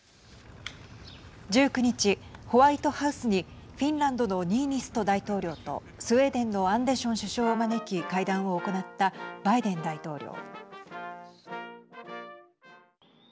１９日、ホワイトハウスにフィンランドのニーニスト大統領とスウェーデンのアンデション首相を招き会談を行ったバイデン大統領。